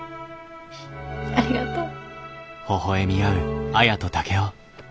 ありがとう。